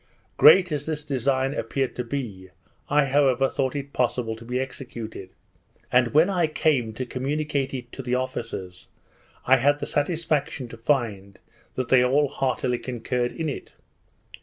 Great as this design appeared to be, I however thought it possible to be executed; and when I came to communicate it to the officers, I had the satisfaction to find, that they all heartily concurred in it.